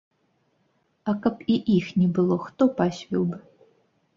А каб і іх не было, хто пасвіў бы?